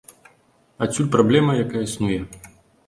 Адсюль праблема, якая існуе.